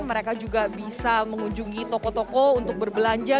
mereka juga bisa mengunjungi toko toko untuk berbelanja